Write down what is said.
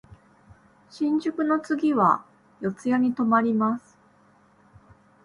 新宿の次は四谷に止まります。